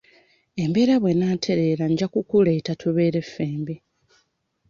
Embeera bw'enaatereera nja kukuleeta tubeere ffembi.